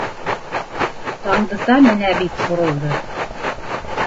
Таңдыса менә бит Бурылды?